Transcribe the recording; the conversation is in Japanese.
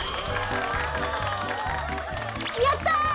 やった！